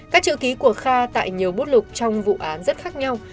các chữ ký của kha tại nhiều bút lục trong vụ án rất khác nhau